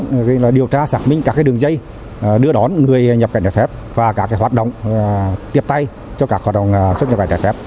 cũng như là điều tra xác minh các đường dây đưa đón người nhập cảnh trái phép và các hoạt động tiếp tay cho các hoạt động xuất nhập cảnh trái phép